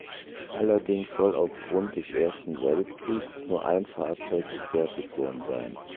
Allerdings soll aufgrund des Ersten Weltkriegs nur ein Fahrzeug gefertigt worden sein.